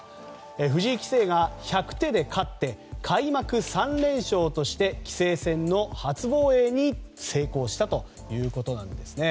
藤井棋聖が１００手で勝って開幕３連勝として棋聖戦の初防衛に成功したということです。